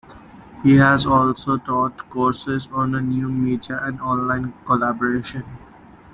He has also taught courses on new media and online collaboration.